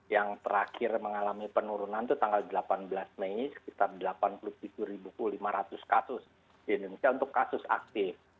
yang terakhir mengalami penurunan itu tanggal delapan belas mei sekitar delapan puluh tujuh lima ratus kasus di indonesia untuk kasus aktif